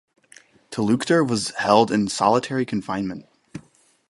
Talukder was held in solitary confinement.